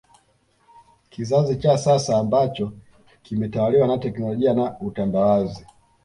Kizazi cha sasa ambacho kimetawaliwa na teknolojia na utandawazi